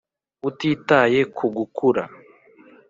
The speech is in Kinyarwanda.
utitaye ku gukura,